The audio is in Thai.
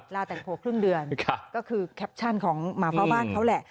ลาแต่งผัวครึ่งเดือนก็คือแคปชั่นของหมาเฝ้าบ้านเขาแหละ